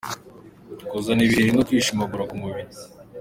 Kuzana ibiheri no kwishimagura ku mubiri .